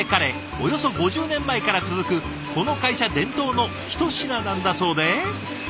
およそ５０年前から続くこの会社伝統の一品なんだそうで。